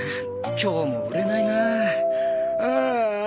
今日も売れないな。